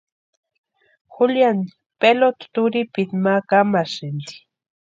Juliani pelota turhipiti ma kamasïnti.